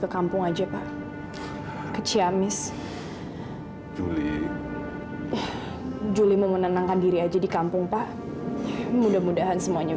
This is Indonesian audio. sampai jumpa di video selanjutnya